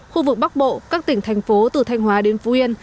khu vực bắc bộ các tỉnh thành phố từ thanh hóa đến phú yên